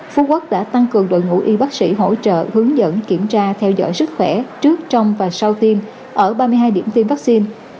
phú quốc đã tăng cường đội ngũ y bác sĩ hỗ trợ hướng dẫn kiểm tra theo dõi sức khỏe trước trong và sau tiêm ở ba mươi hai điểm tiêm vaccine